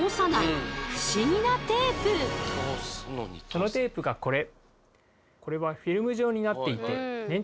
そのテープがこれ。